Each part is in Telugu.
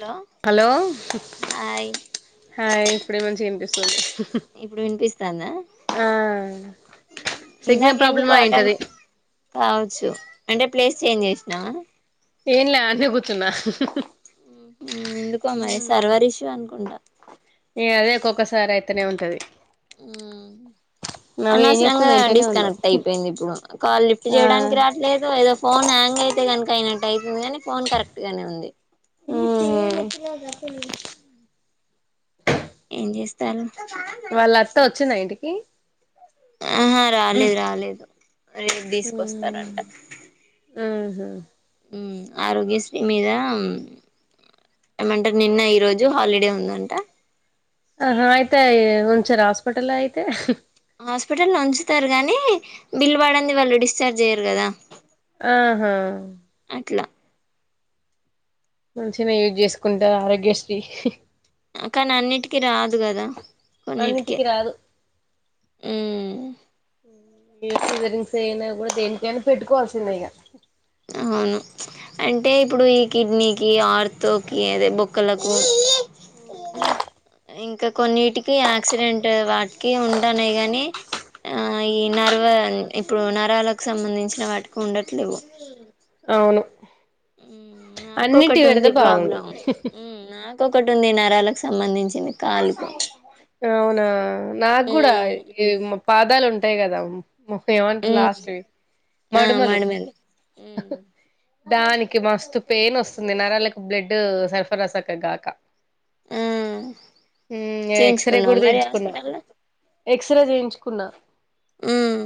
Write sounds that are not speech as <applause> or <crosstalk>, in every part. హలో హాయ్ ఆ ఇప్పుడే మంచి ఏనిపిస్తుంది ఇప్పుడు వినిపిస్తాందా ఆ ఇందాక సిగ్నల్ ప్రాబ్లం ఎందుకు అటెం అయినది. కావచ్చు అంటే ప్లేస్ చేంజ్ చేసినావా ఏం లే అని కూర్చున్నా ఎందుకో మరి సర్వరూ ఇషూ అనుకుంటా సారి అయితేనే ఉంటంది ఉ ఏం అనవసరంగా చేస్తుంది ఇంట్లోనే ఉందో డిస్కనెక్ట్ అయిపోయింది ఇప్పుడు. కాల్ లిఫ్ట్ ఆ చేయడానికి రావట్లేదు ఏదో ఫోన్ హ్యాంగ్ అయితే కన కైనాటై కాని ఫోన్ కరెక్ట్ గానే ఉంది. ఉ ఏం చేస్తారు వాళ్ళ అతో వచ్చునా ఇంటికి ఆహా రాలేదు రాలేదు రేపు తీసుకొస్తారంట ఊహూ ఆరోగ్యశ్రీ మీద ఏమంటే నిన్న ఈరోోజు హాలిడే ఉందంట ఆహా ఆయితే ఉంచరా హాస్పిటల్ లో ఆయితే హాస్పిటల్ ఉంచుతారు గాని బిల్ పడంధి వాళ్ళు డిశ్చార్జ్ జేయ్యరు కదా ఆహా ట్లా మంచిగా యూజ్ చేసుకుంటారు ఆరోగ్యశ్రీ కానీ అన్నిటికిీ రాదు కదా కొన్నిటికే అన్నింటికి రాదు ఉ <unintelligible> అయినా కూడా దేనికైనా పెట్టుకోవాల్సిదే ఈగ అవును అంటే ఇప్పుడు ఈ కిడ్నీకి ఆర్త్కి అదే బొక్కలకు అ ఇంకా కొన్నిటికి యాక్సిడెంట్ వాటికి ఉంటనై గానీ ఆ ఈ నరవ ఇప్పుడు నరాలకు సంబంధించిన వాటికి ఉండట్లేవు. అవును అన్నిటి నాకొకటి పెడితే ఉంది బాగుండు ప్రాబ్లం నాకొ ఒకటు ఉంది నరాలకు సంబంధించి అవునా నాగ కూడా ఉమ్ ఈ పాదాలు ఉంటాయి కదా ముప్ప ఏమంటారు ఉమ్ లాస్ట్ ఆ మడుమలు మాడిమిల్లి దానికి మస్తు పెయిన్ వస్తుంది నరాలకు బ్లడ్ సల్ఫరస్ సక్క గాక ఉమ్ ఉమ్ ఎక్స్రే కూడా తీయించుకున్న ఎక్స్రే తీయించుకున్నా ఉమ్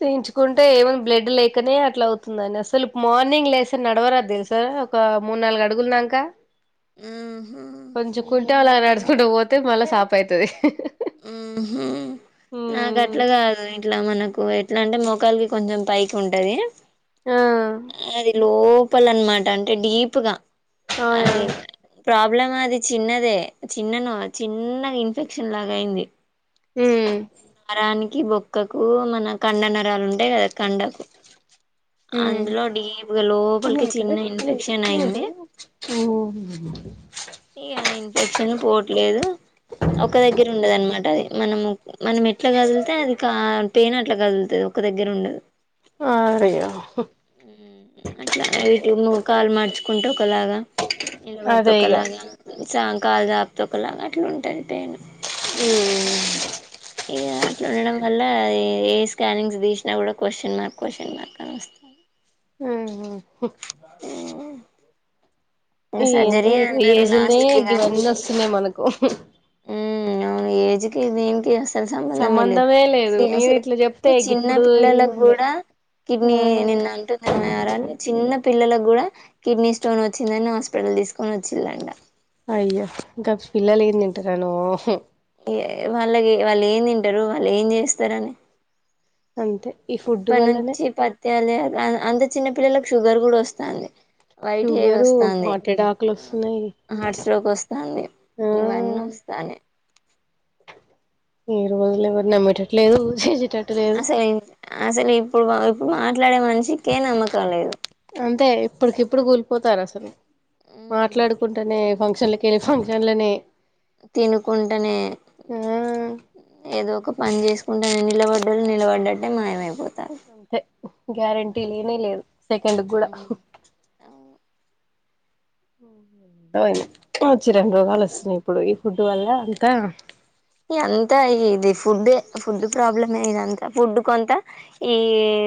తీయించుకుంటే ఏమంది బ్లడ్ లేకనే అట్లా అవుతుందంని అసలు మార్నింగ్ లేస నడవరాదు సార్ ఒక మూడు నాలుగు అడుగులదాక ఉమ్ హు టాలాండోస్ ఇప్పుడు పోతే మళ్ళా సాప్ అవుతాది ఉమ్ హు నాకు అట్లా కాదు ఇట్లా మనకు ఎట్లా అంటే మొకాలుకి కొంచెం పైకి ఉంటది ఆ ఆ అదిలో కుప్పలు అన్నమాట అంటే డీప్ గా అదే ఆ ప్రాబ్లం అది చిన్నదే చిన్నను చిన్నగా ఇన్ఫెక్షన్ లా అయింది ఉమ్ నరానికి బొక్కకు మన కండ నరాలు ఉంటాయి కదా కండకు ఉమ్ అందులో డీప్గా లోపలికి చిన్న ఉమ్ ఇన్ఫెక్షన్ అయింది ఇక ఇన్ఫెక్షన్ పోవట్లేదు ఒక దగ్గర ఉండదన్నమాట అంటది అది మనము మనం ఎట్లా కదులితే అది కా పేన అట్లా కదులుతుంది ఒక దగ్గర ఉండదు అట్లా ట్యూబ్ ను్ కాల్ మార్చుకు కుంటూ ఒకలాగా నిలబడితే అదే ఇగ ఒకలాగా సాయంకాల జాప్త ఒకలా అట్లా ఉంటుంది పేను ఉమ్ ఇగా అట్లా ఉండడం వల్ల ఏ స్కానింగ్స్ తీసినా కూడా క్వశ్చన్ మార్క్ క్వశ్చన్ మార్క్ అని వస్తంది ఉమ్ హు ఏంట సర్జరీ ఏ అన్నారు ఏజ్లనే లాస్ట్ కి గాని ఇవన్నీ వస్తున్నాయి మనకు ఉమ్ అవును ఏజ్కి దీనికి ఏం అసలు సంబంధమే లేదు నేను అసలు ఇట్లా చెప్తే చిన్న గిప్పుడు పిల్లలకు అదే కూడా కిడ్నీ నిన్న అంటుంది చిన్న పిల్లలకు కూడా కిడ్నీ స్టోన్ వచ్చిందని హాస్పిటల్ తీసుకొని వచ్చిళ్లంటా అయ్య ఇంకా పిల్లలే ఏ తింటన్నాను వాళ్ళకి వాళ్ళు ఏం తింటారు వాళ్ళు ఏం చేస్తారని అంతే ఈ ఫుడ్ ఇప్పటి వల్లనే నుంచి పతాలి అంత చిన్న పిల్లలకు షుగర్ కూడా వస్తుంది వైట్ హెయిర్ షుగరు వస్తంది హార్ట్ అటాక్లు వస్తున్నాయి హార్ట్ స్ట్రోక్ వస్తంది ఆ ఇవన్నీ వస్తున్నాయి ఈ రోజులు ఎవరు నమ్మేటట్లేదు చేసేటట్టు లేదు అసలు అసలు ఇప్పుడు ఇప్పుడు మాట్లాడే మనిషికే నమ్మకం లేదు పోతార అసలు హ్మ్. మాట్లాడుకుంటేనే ఫంక్ష చల్ కే ఫంక్షన్లనే తినుకుంటనే ఆ ఏదో ఒక పని చేసుకుంటానే నిలబడి డ్లు నిలబడ్డటే మాయమైపోతుంది అంతే గ్యారెంటీ లేనే లేదు సెకండ్ గూడ ఏమైంది రెండు రోగాలు వస్తున్నాయి ఇప్పుడు ఫుడ్ వల్ల అంత అంతా ఇది ఫుడ్ డే ప్రాబ్లమే ఇదంతా ఫుడ్ కొంత ఈ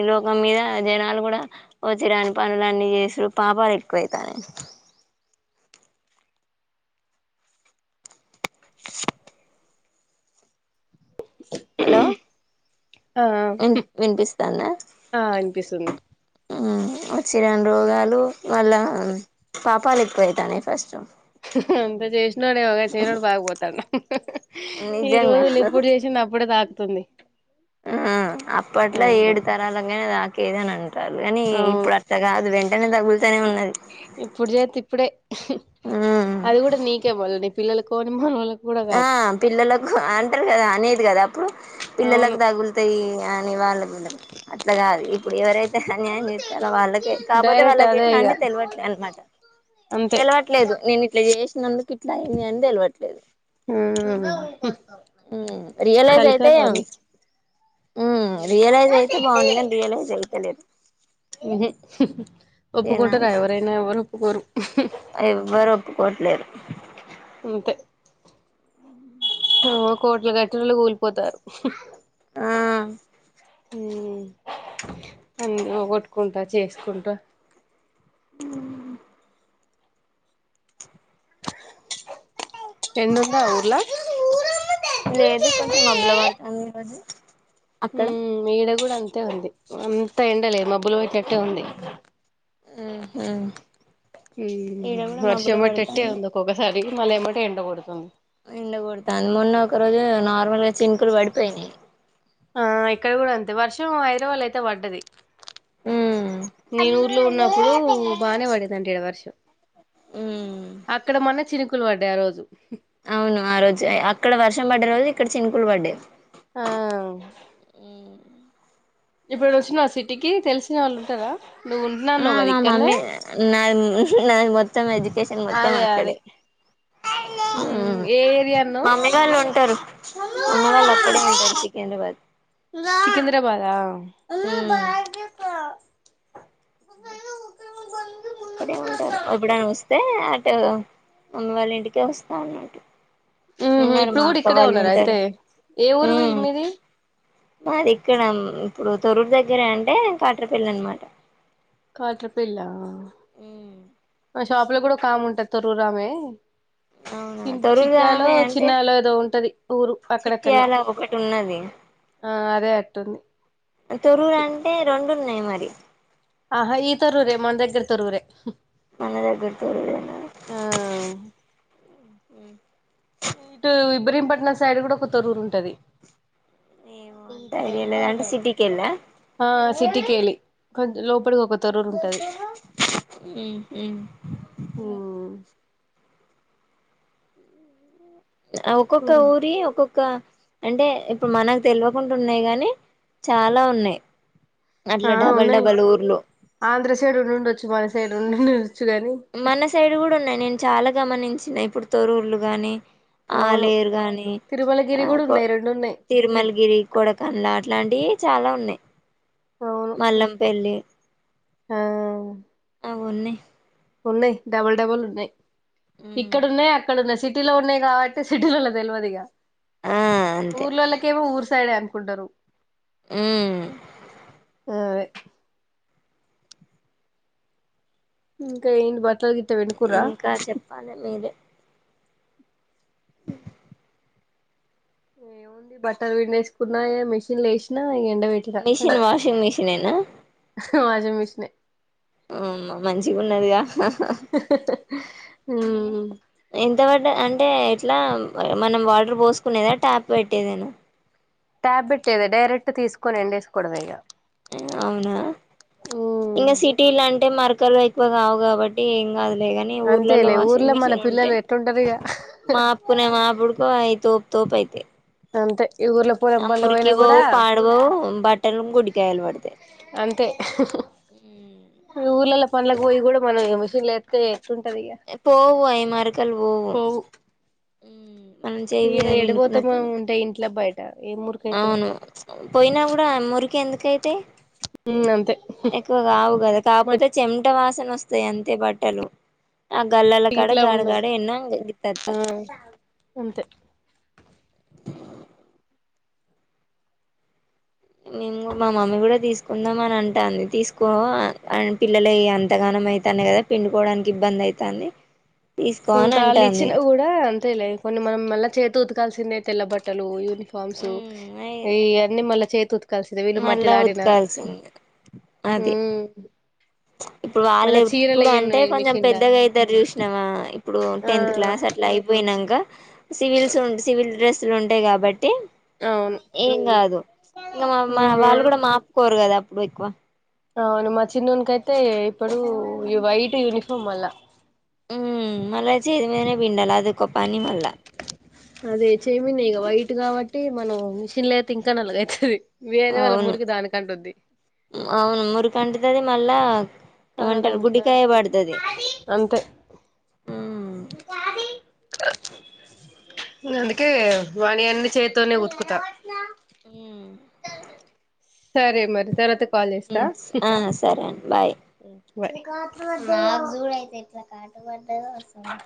లోకం మీద జనాలు కూడా వచ్చేరాని పనులున్ని చేసారు పాపాలు ఎక్కువవు తన్నై హలో ఆ వి వినిపిస్తోందా ఆ అనిపిస్తుంది అ వచ్చి రాని రోగాలు వాళ్ళ పాప పాలికిపోయితానై ఫస్ట్ అంత చేసినాడే ఒకగా చేయనడు బాకపోతాడు ఈ నిజంగా రోజులు ఇప్పుడు చేసింది అప్పుడే తాకుత స్తుంది ఆం అప్పట్లో ఏడు తరాలంగానే తక్ కేదానా అం అంటారు కాని అవును ఇప్పుడు అట్ట కాదు వెంట ఎన్ని డబ్బులు ఇప్పుడు చేస్త ఇప్పుడే ఉమ్ అది కూడా నీకే బల్డి పిల్లలకొ మనోళ్లకు ఆ పిల్లలకు అంటారు కదా అనేది కదా అప్పుడు పిల్లలకు అవును తగులుతాయి కాని వాళ్ అట్లా కాదు ఇప్పుడు ఎవరైతే అన్యాయం చేస్తారలో వాళ్ళకే కాకపోతే డైరెక్ట్ వాళ్ళకి అదే ఎట్లా ఇగ అంటే తెలవట్లే అనమాట అంతే తెలవట్లేదు నేను ఇట్లా చేస్ నన్ను ఇట్లా అయింది అని తెల్వట్లేదు మ్మ్ మ్మ్ రియలైజ్ అయితే మ్మ్ అదే రియలైజ్ అయితే బాగుండు కానీ రియలైజ్ అయి లేదు ఇది ఒప్పుకుంటారా ఎవరైనా ఎవరు ఒప్పుకోరు ఎవ్వరు అంతే ఆ కోట్లు కట్టనళు కూలిపోతారు ఆ మ్మ్ అన్నీగొట్టుకుంటా చేసుకుంటా ఎందుకు మరి ఊర్లా లేదు కొంచెం మబ్బుల పడుతాంది ఈరోజు అక్కడ మ్మ్ ఇడ కూడా అంతే అంతే ఉంది వన్ అంత ఎండలే మబ్బులు పెట్నయి అట్ ఉంది ఉహు ఈడ మ్మ్ కూడా వర్ష మబ్బులు మటిట్టే పడుతాంది ఉందక్కక్కసారి మళ్ళ ఏమటె ఎండ కొడుతుంది ఎండకడతుంది మొన్న ఒక రోజు నార్మల్ గా చింకులు పడిపోయినాయి ఆ ఇక్కడ కూడా అంతే వర్షం ఐదు రపాలు అయితే పడ్డది ఉమ్ నేను ఊర్లో ఉన్నప్పుడు బానే పడేది అంట ఇడ వర్షం అక్కడ మొన్న చినుకులు పడ్డాయి ఆ రోజు అవును ఆ రోజు అక్కడ వర్షం పడ్డే రోజు ఇక్కడ చినుకులు పడ్డ ఆ ఇప్పుడు వచ్చిన ఆ సిటీకి తెలిసిన వాళ్ళు ఉంటారా నువ్ ఉన్ మా మా మమ్మీ నా నాధ్ మొత్తం ఎడ్యుకేషన్ మొత్తం అదే అక్కడే అదే ఏ ఏరియా మా అన్నావ్ మమ్మీ వాళ్ళు ఉంటారు అమ్మ వాళ్ళు అక్కడే ఉంటారు ధన్యవాద్ సికింద్రాబాదా మ్మ్ <inaudible> అక్కడే ఉంటారు ఎప్పుడని వస్తే అక్ వాల్ మమ్మీ వాళ్ళ ఇంటికే వస్తాన్నట్టు మ్మ్ ఇప్పుడు కూడా ఇక్కడే ఉన్నార అయితే ఏ ఊరు వీళ్ళు ఉమ్ మీది మాది ఇక్కడ ఇప్పుడు తొరూరు దగ్గరే అంటే కాట్రపల్లి అనమాట. కాట్రపెల్లా ఊ మా షాప్ లో కూడా ఓకామ్ ఉంటాది తొర్రురు ఆమె అవునా చి చిట్టాలో తరూరుగామే అంటే చిన్నాలో ఏదో ఉంటది ఊరు అక్కడక్కడనే చిటియాల ఒకటి ఉన్నది. ఆ అదే అట్టుంది తొరూరు అంటే రెండు ఉన్నాయి మరి. <inaudible> ఆహా ఈ తరూరే మన దగ్గర తరురే. మన దగ్గరతోర ఇటు ఇబ్రీంపట్నం సైడ్ కూడా ఒక తొరూరు ఉంటది. ఏ అంత ఐడియా లేదా అంటే సిటీకి ఎల్లా టికేలి కొంచెం లోపడికి ఒక తొరూరు ఉంటది. ఉమ్ ఉమ్ ఒక్కొక్క ఊరి ఒక్కొక్క అంటే ఇప్పుడు మనకు తెలివకుండా ఉన్నాయి గాని, చాలా ఉన్నాయి. ఆ అట్లా డబల్ ఉన్నాయి డబల్ ఊర్లు ఆంధ్రసైడ్‌ ఉండిండొచ్చు మన ఇడ ఉండిను మన సైడ్ కూడా ఉన్నాయి నేను చాలా గమనించినా ఇప్పుడు తోరూర్లు గాని అవును ఆలేరు గాని తిరుమలగిరి ఆ కూడా కొ ఉన్నాయి రెండు ఉన్నాయి తిరుమలగిరి, కొడకన్లా ఇలాంటివి చాలా ఉన్నాయ్. అవును మల్లంపల్లి ఆ అవున్నయ్ ఉన్నాయ్, డబల్ డబుల్ ఉన్నాయ్. ఇక్కడున్నాయ్, అక్కడున్నాయ్ సిట్ టీలో ఉన్నాయి కాబట్టి సిటీలలో తెలివదిగా. ఆ అంతే ఊర్లోలా కేమొ ఉర్స్ సైడే అనుకుంటారు. హ్మ్ అవే ఇంకా ఏంటి బ ఇంకా చెప్పాలి మీరే ఏముంది బట్టలు పిండేసుకున్నాయే మిషిన్లో ఏసినా. మిషన్ వాషింగ్ మిషన్ ఏనా హ వాషింగ్ మిషన్నే హ్మ్ మంచిగున్నది గా హహ హ్మ్ ఎంతపడ్డ అంటే ఎట్లా మనం వాటర్ పోసుకునేదా ట్యాప్ పెట్టేదేనా. ట్యాబ్ పెట్టేదే డైరెక్ట్ తీసుకొని ఎండేసుకోవడమే ఇక అవునా ఉమ్ ఇంకా సిటీలా అంటే మర్ క్కల్ ఎక్కువ కావు కాబట్టి ఏం కాదులే కాని ఊర్లలో అంతేలే వాషింగ్ ఊర్లో మన మిషన్ ఉంటే పిల్లలు ఎట్లుంటారు ఇగ మాపుకునే మాపుడుకు అవి తో తోపైతయ్ అంతే ఈ ఊర్లో పొలం ఆ పనులకు పోయినా కూడా మురికిపోవు పాడుపోవు బట్టలు గుడ్డికాయలు పడుతాయ్ అంతే ఈ ఊర్లల్ల పనులకు పోయి కూడా మనం ఏ మిషన్లోఎత్తే పోవు అవి మరకలు పోవు ఉమ్ ఈడ ఏడపోతామో ఉంటే ఇంట్ల బయట ఏ మురికైతాయి అవును పోయినా కూడా మురికి ఎందుకై తే ఉమ్ అంతే ఎక్కువ కావు కదా కాపుతే మట్టి చెమ్ పుట్ట వాసన వస్తాయి అంతే బట్టలు ఆ గల్లాల కాడే ఇట్లా గగాడ ఉండవు గగాడే ఎన్నత్తత్త ఆ అంతే మేము మా మమ్మీ కూడా తీసుకుందాం అని అంటాంది తీసుకో పిల్లలే ఎంతగానం అవుతనే కదా పిండుకోవడానికి ఇబ్బంది అవుతుంది ఉకాా లిచిన కూడాఊడ అంత అలే కొన్ని మనం మళ్ళీ చేతి ఉతుకాల్సిందే తెల్లబట్టలు ఇ ఫారమ్సు ఉమ్ ఇవన్నీ మళ్ళా చేతు కలిసద వీళ్లు మళ్ళా మటిలా ఆడినా ఉతకాల్సింది హ అది ఇప్పుడు వాళ్ళు ఇప్పుడు అంటే నేను కొంచెం మిషన్లా పెద్దగా అవుతారు చూసినావా ఇప్పుడు ఆ టెన్త్ క్లాస్ అట్లా అయిపోయినాక సివిల్స్ ఉంది సివిల్డ్రెస్ అసలు ఉంటాయి కాబట్టి అవును ఏం కాదు ఇంకా మా మా వాళ్ళు కూడా మా ఆపుకోరు కదా ఇప్పుడు ఎక్కువ అవును మా చిన్నకైతే ఇప్పుడు ఈ వైట్ యూనిఫామ్ వల్ల మళ్చ్చ ఇదిమే బిండాల అదే చైమన్గ వైట్ కాబట్టి మనం మిషన్ లో అయితే ఇంకా నలుగైతుది అవును అవును మురుఖంంటదద మళ్ళా ఏమంటారు కళలాంటి గుడ్డికాయ డాక్టర్ పడుతది అంతే ఉమ్ అందుకే వానీ అన్ని చేతోనే ఉతుకుతా ఉమ్ సరే మరి తర్వాత కాల్ చేస్తా ఆ సరే అండి బాయ్ బాయ్ ధన్వాద